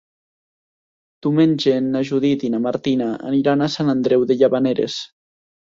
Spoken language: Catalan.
Diumenge na Judit i na Martina aniran a Sant Andreu de Llavaneres.